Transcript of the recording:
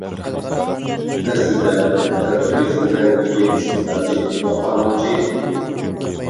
ئەسلىدە ئۇ تەلتۆكۈس مەنىدىكى ئىستېلاچى ۋە قانۇنچى ئىدى.